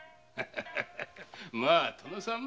まぁ殿様